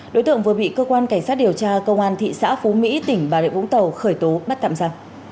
đối tượng vừa bị cơ quan cảnh sát điều tra công an thị xã phú mỹ tỉnh bà rịa vũng tàu khởi tố bắt tạm ra